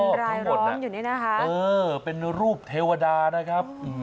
เป็นรายร้อนอยู่ดินี่นะคะเป็นรูปเทวดานะครับ